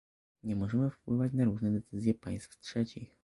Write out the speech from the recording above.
Nie możemy wpływać na różne decyzje państw trzecich